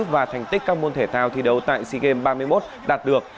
và thành tích các môn thể thao thi đấu tại sea games ba mươi một đạt được